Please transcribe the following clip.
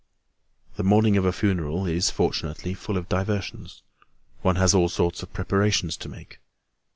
The morning of a funeral is, fortunately, full of diversions. One has all sorts of preparations to make.